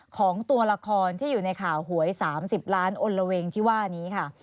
ของตัวละครที่อยู่ในข่าวหวย๓๐ล้านอนระเวงที่ว่านี้ค่ะ